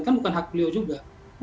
kan bukan hak beliau juga